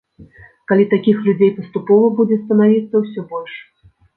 Калі такіх людзей паступова будзе станавіцца ўсё больш.